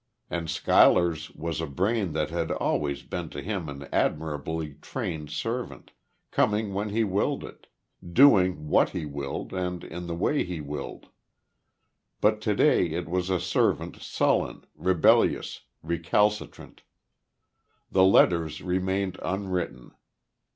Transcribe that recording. And Schuyler's was a brain that had always been to him an admirably trained servant, coming when he willed it, doing what he willed and in the way he willed.... But today it was a servant sullen, rebellious, recalcitrant. ... The letters remained unwritten.